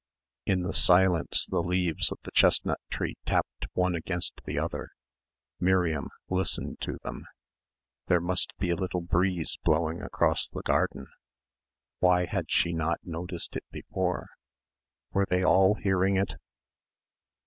In the silence the leaves of the chestnut tree tapped one against the other. Miriam listened to them ... there must be a little breeze blowing across the garden. Why had she not noticed it before? Were they all hearing it?